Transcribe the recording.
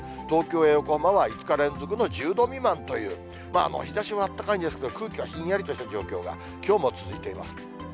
東京や横浜は３日連続の１０度未満という、日ざしはあったかいんですけど、空気はひんやりとした状況が、きょうも続いています。